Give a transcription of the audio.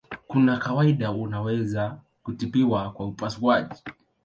Kwa kawaida unaweza kutibiwa kwa upasuaji.